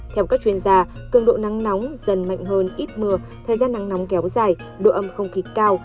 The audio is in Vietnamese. theo các chuyên gia cường độ nắng nóng dần mạnh hơn ít mưa thời gian nắng nóng kéo dài độ ẩm không khí cao